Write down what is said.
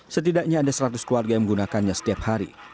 setidaknya ada seratus keluarga yang menggunakannya setiap hari